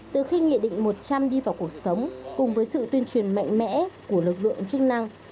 từ khi nghị định một trăm linh đi vào cuộc sống cùng với sự tuyên truyền mạnh mẽ của lực lượng chức năng